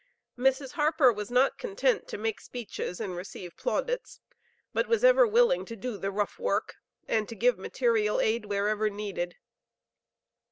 Mrs. Harper was not content to make speeches and receive plaudits, but was ever willing to do the rough work and to give material aid wherever needed.